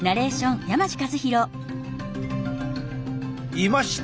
いました！